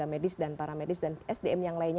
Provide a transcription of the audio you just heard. tenaga medis dan para medis dan sdm yang lainnya